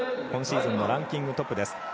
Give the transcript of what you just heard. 今シーズンのランキングトップです。